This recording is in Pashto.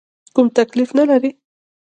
کوم تکلیف نه لرې؟